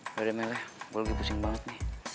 udah deh mel ya gua lagi pusing banget nih